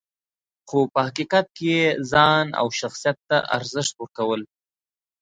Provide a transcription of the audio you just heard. خو په حقیقت کې یې ځان او شخصیت ته ارزښت ورکول .